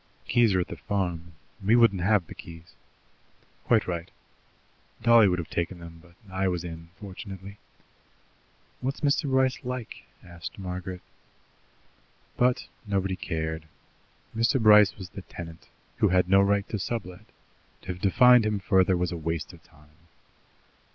"The keys are at the farm; we wouldn't have the keys." "Quite right." "Dolly would have taken them, but I was in, fortunately." "What's Mr. Bryce like?" asked Margaret. But nobody cared. Mr. Bryce was the tenant, who had no right to sublet; to have defined him further was a waste of time.